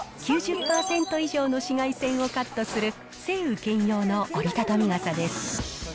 ９０％以上の紫外線をカットする晴雨兼用の折りたたみ傘です。